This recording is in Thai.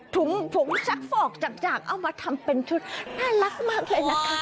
ผงชักฟอกจากเอามาทำเป็นชุดน่ารักมากเลยนะคะ